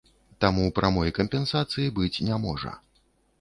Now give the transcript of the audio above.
Таму прамой кампенсацыі быць не можа.